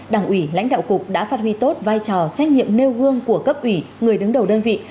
đảng ủy lãnh đạo cục đã phát huy tốt vai trò trách nhiệm nêu gương của cấp ủy người đứng đầu đơn vị